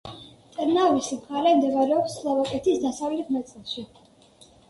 ტრნავის მხარე მდებარეობს სლოვაკეთის დასავლეთ ნაწილში.